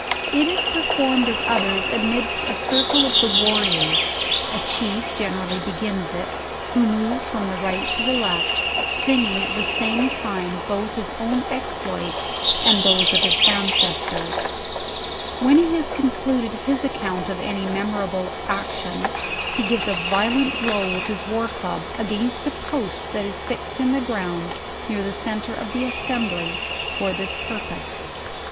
It is performed, as others, amidst a circle of the warriors; a chief generally begins it, who moves from the ri.(U to the left, singing at the same time both his own exploits, and those of his aricdfctors. W r hen he has con cluded his accourt of any memorable action, he gives a vio lent blow with his war club, against a post that is fixed in the ground, near the centre of the assembly for this pur pose.